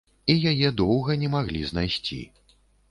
І яе доўга не маглі знайсці.